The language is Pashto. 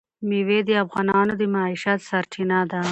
مېوې د افغانانو د معیشت سرچینه ده.